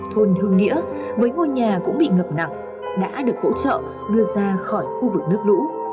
thôn hưng nghĩa với ngôi nhà cũng bị ngập nặng đã được hỗ trợ đưa ra khỏi khu vực nước lũ